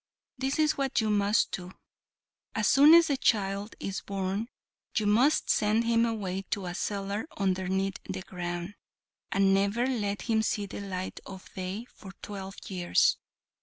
This is what you must do; as soon as the child is born you must send him away to a cellar underneath the ground, and never let him see the light of day for twelve years.